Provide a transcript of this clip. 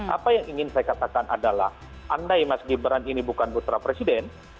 apa yang ingin saya katakan adalah andai mas gibran ini bukan putra presiden